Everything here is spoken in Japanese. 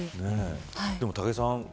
でも武井さん